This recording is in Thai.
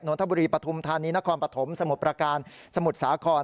ทบุรีปฐุมธานีนครปฐมสมุทรประการสมุทรสาคร